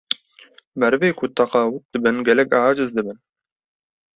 merivê ku teqewût dibin gelek eciz dibin